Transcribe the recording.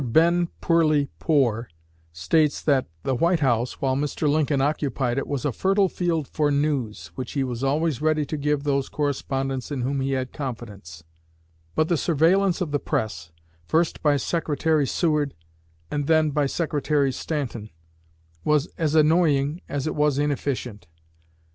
Ben. Perley Poore states that "the White House, while Mr. Lincoln occupied it, was a fertile field for news, which he was always ready to give those correspondents in whom he had confidence; but the surveillance of the press first by Secretary Seward, and then by Secretary Stanton was as annoying as it was inefficient....